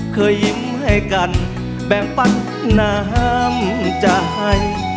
เคยยิ้มให้กันแบ่งปันน้ำใจ